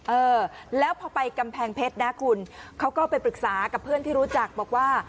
เออแล้วพอไปกำแพงเพชรนะคุณเขาก็ไปปรึกษากับเพื่อนที่รู้จักบอกว่า